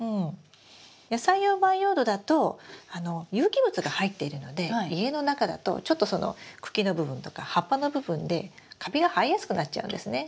野菜用培養土だと有機物が入っているので家の中だとちょっとその茎の部分とか葉っぱの部分でカビが生えやすくなっちゃうんですね。